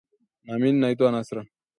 Nami naitwa Nasra